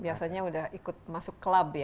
biasanya sudah ikut masuk club ya